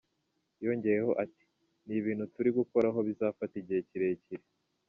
Yongeyeho ati "Ni ibintu turi gukoraho bizafata igihe kirekire.